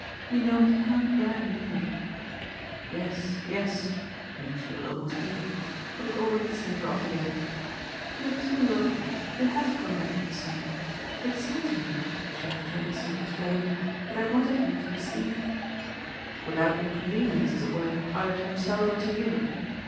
You know he can't bear ME " "Yes, yes" Mitchy was almost eager. It had already sent her off again. "You're too lovely. You HAVE come back the same. It seemed to me," she after an instant explained, "that I wanted him to be seen " "Without inconvenience, as it were, either to himself or to you?